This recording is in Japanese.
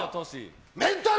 メンタル！